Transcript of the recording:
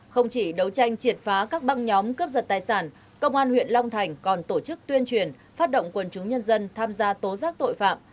không chỉ đấu tranh triệt phá các băng nhóm cướp giật tài sản công an huyện long thành còn tổ chức tuyên truyền phát động quần chúng nhân dân tham gia tố giác tội phạm